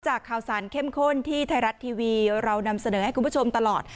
ข่าวสารเข้มข้นที่ไทยรัฐทีวีเรานำเสนอให้คุณผู้ชมตลอด